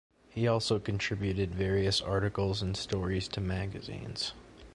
He also contributed various articles and stories to magazines.